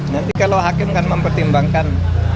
nanti kalau hakim kan mempertimbangkan